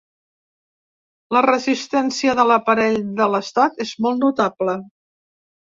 La resistència de l’aparell de l’estat és molt notable.